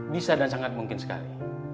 bisa dan sangat mungkin sekali